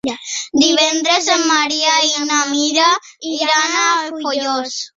Divendres en Maria i na Mira iran a Foios.